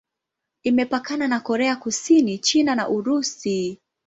Imepakana na Korea Kusini, China na Urusi.